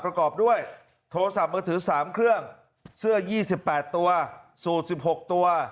ประกอบด้วยโทรศัพท์มือถือ๓เครื่องเสื้อ๒๘ตัวสูตร๑๖ตัว